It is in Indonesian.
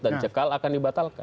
dan cekal akan dibatalkan